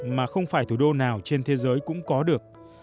mà không phải thủ đô nào trên thế giới cũng có được